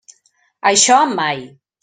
Això mai!